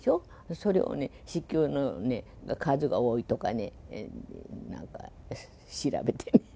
それをね、子宮の数が多いとかね、なんか調べてね。